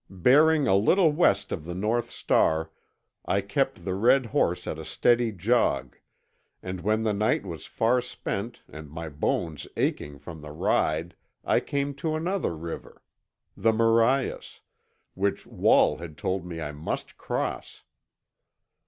Bearing a little west of the North Star, I kept the red horse at a steady jog, and when the night was far spent and my bones aching from the ride I came to another river—the Marias—which Wall had told me I must cross.